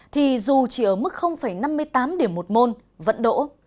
thì dù chỉ ở mức năm mươi tám điểm một môn vẫn đỗ